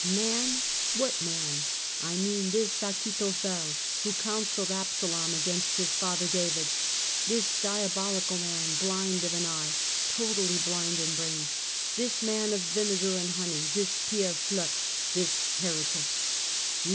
Man ! what man ? I mean this Achitophel who counselled Absalom against his father David, this diabolic man, blind of an eye, totally blind in brain, this man of vinegar and honey, this Pierre Flotte, this heretic